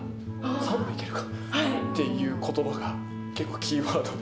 ３分いけるか？っていうことばが結構、キーワードで。